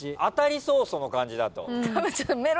当たりそうその感じだと。